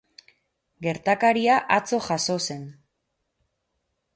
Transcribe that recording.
Gertakaria atzo jazo zen.